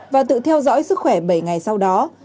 và tự theo dõi sức khỏe bảy ngày sau đó